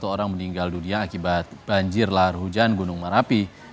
satu orang meninggal dunia akibat banjir lahar hujan gunung merapi